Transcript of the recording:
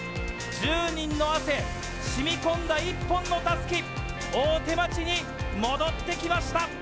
１０人の汗、しみこんだ一本のたすき、大手町に戻ってきました。